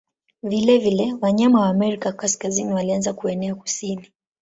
Vilevile wanyama wa Amerika Kaskazini walianza kuenea kusini.